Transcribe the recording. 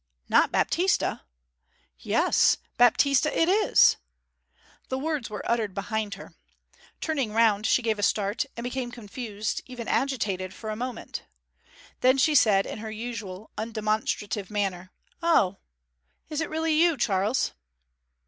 'Not Baptista? Yes, Baptista it is!' The words were uttered behind her. Turning round she gave a start, and became confused, even agitated, for a moment. Then she said in her usual undemonstrative manner, 'O is it really you, Charles?'